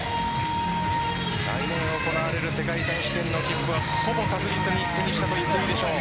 来年行われる世界選手権の切符はほぼ確実に手にしたと言っていいでしょう。